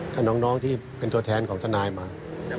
กับน้องที่เป็นตัวแทนของทนายมา